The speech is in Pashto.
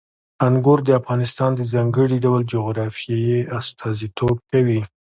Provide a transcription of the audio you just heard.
انګور د افغانستان د ځانګړي ډول جغرافیې استازیتوب کوي.